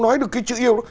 nói được cái chữ yêu đó